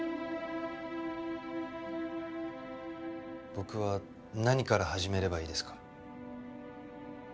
僕は何から始めればいいですか？